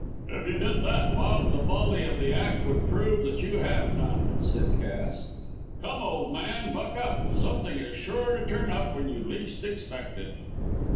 "If you did that, Bob, the folly of the act would prove that you have none," said Cass. "Come, old man, buck up; something is sure to turn up when you least expect it."